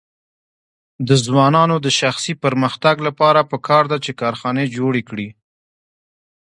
د ځوانانو د شخصي پرمختګ لپاره پکار ده چې کارخانې جوړې کړي.